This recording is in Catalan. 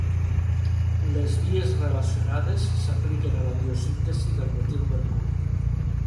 Les vies relacionades s'apliquen a la biosíntesi del metilmercuri.